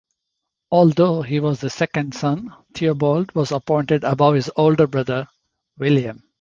Although he was the second son, Theobald was appointed above his older brother William.